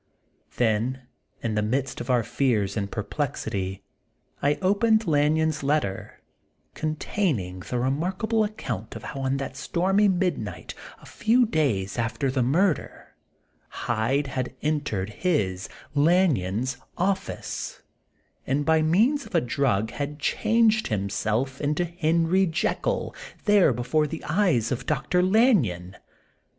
Then in the midst of our fears and per plexity, I opened Lanyon's letter, contain ( 20 The Untold Sequel of ing the remarkable account of how on that stormy midnight, a few days after the murder, Hyde had entered his (Lan yon*s) office, and by means of a drug had changed himself into Henry Jekylly there before the eyes of Dr. Lanyon.